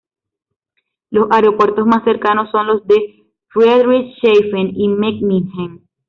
Los aeropuertos más cercanos son los de Friedrichshafen y Memmingen.